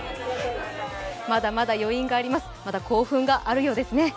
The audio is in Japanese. まだまだ余韻があります、まだ興奮があるようですね。